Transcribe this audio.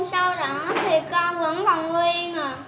sau đó thì con vẫn còn nguyên rồi